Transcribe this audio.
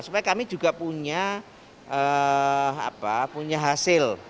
supaya kami juga punya apa punya hasil